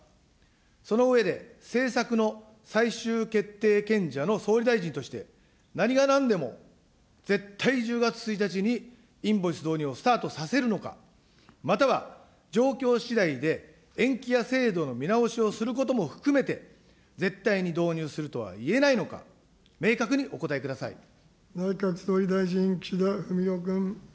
その上で、政策の最終決定権者の総理大臣として、何がなんでも絶対、１０月１日にインボイス導入をスタートさせるのか、または、状況しだいで延期や制度の見直しをすることも含めて、絶対に導入するとはいえないのか、内閣総理大臣、岸田文雄君。